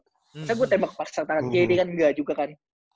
pasalnya gue tembak pasang tangan kiri dia kan enggak juga kan